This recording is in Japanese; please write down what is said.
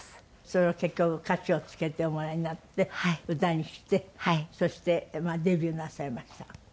それを結局歌詞をつけておもらいになって歌にしてそしてデビューなさいました。